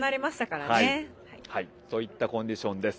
そういったコンディションです。